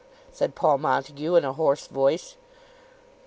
said Paul Montague in a hoarse voice.